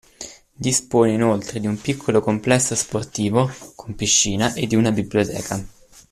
Dispone inoltre di un piccolo complesso sportivo con piscina e di una biblioteca.